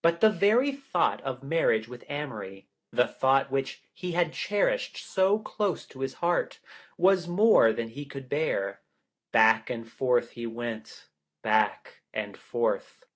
But the very thought of marriage with Amory, the thought which he had cherished so close to his heart, was more than he could bear. Back and forth he went, back and forth.